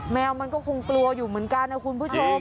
แมวมันก็คงกลัวอยู่เหมือนกันนะคุณผู้ชม